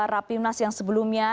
rapimnas yang sebelumnya